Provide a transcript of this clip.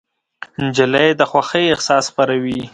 نجلۍ د خوښۍ احساس خپروي.